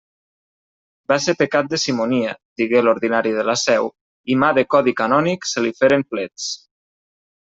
Va ser pecat de simonia, digué l'ordinari de la Seu, i mà de codi canònic se li feren plets.